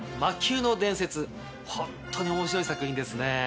ホントに面白い作品ですね。